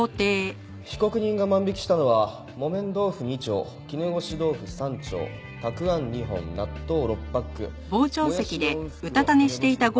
被告人が万引きしたのは木綿豆腐２丁絹ごし豆腐３丁たくあん２本納豆６パックもやし４袋梅干し２パック。